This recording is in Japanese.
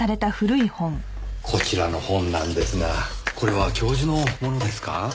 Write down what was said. こちらの本なんですがこれは教授のものですか？